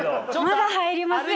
まだ入りますよ。